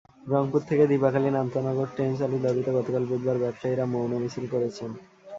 রংপুর থেকে দিবাকালীন আন্তনগর ট্রেন চালুর দাবিতে গতকাল বুধবার ব্যবসায়ীরা মৌন মিছিল করেছেন।